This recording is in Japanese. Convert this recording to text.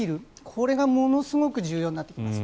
これがものすごく重要になってきます。